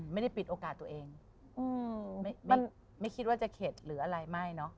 ไม่ได้ปิดโอกาสตัวเองไม่คิดว่าจะเข็ดหรืออะไรไม่เนอะ